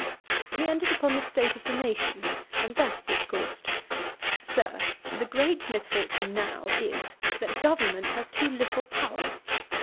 He entered upon the state of the nation, and thus discoursed: 'Sir, the great misfortune now is, that government has too little power.